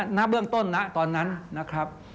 ณเบื้องต้นนะตอนนั้นนะครับ